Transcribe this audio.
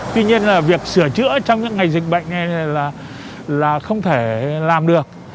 tuy nhiên là việc sửa chữa trong những ngày dịch bệnh này là không thể làm được